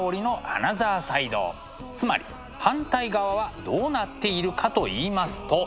つまり反対側はどうなっているかと言いますと。